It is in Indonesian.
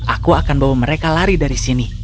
aku akan bawa mereka lari dari sini